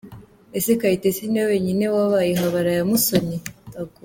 Ese Kayitesi ni we wenyine wabaye ihabara ya Musoni?